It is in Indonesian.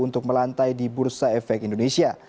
untuk melantai di bursa efek indonesia